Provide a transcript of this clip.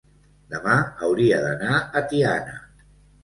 demà hauria d'anar a Tiana.